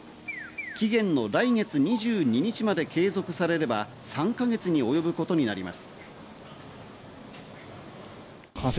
期限の来月２２日まで継続されれば３か月に及ぶことになります。